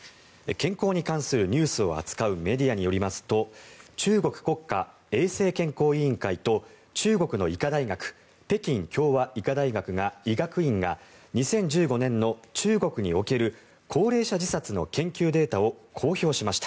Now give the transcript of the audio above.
健康に関するニュースを扱うメディアによりますと中国国家衛生健康委員会と中国の医科大学北京協和医学院が２０１５年の中国における高齢者自殺の研究データを公表しました。